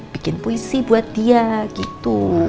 bikin puisi buat dia gitu